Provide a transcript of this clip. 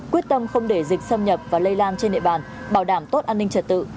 quyết tâm không để dịch xâm nhập và lây lan trên địa bàn bảo đảm tốt an ninh trật tự